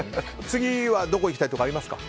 次はどこに行きたいとかありますか？